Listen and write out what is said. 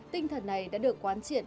tinh thần này đã được quán triển